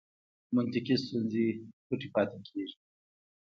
منطقي ستونزې پټې پاتې کېږي.